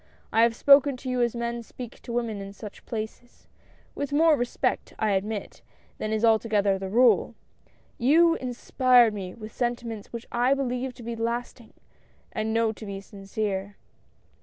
I have spoken to you as men speak to women in such places — with more respect, I admit, than is altogether the rule. You inspired me with sentiments which I believe to be last ing, and know to be sincere.